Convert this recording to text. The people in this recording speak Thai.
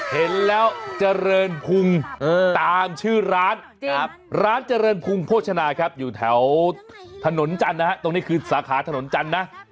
เห็นแล้วเจริญพุงตามชื่อร้านร้านเจริญพุงโภชนาครับอยู่แถวถนนจันทร์นะฮะตรงนี้คือสาขาถนนจันทร์นะ